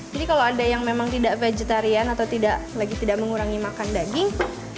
jadi kalau ada yang memang tidak vegetarian atau tidak lagi tidak mengurangi makan daging